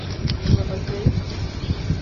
Şuna bakayım.